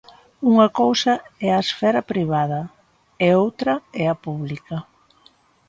Unha cousa é a esfera privada e outra é a pública.